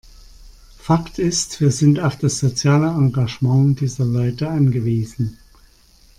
Fakt ist, wir sind auf das soziale Engagement dieser Leute angewiesen.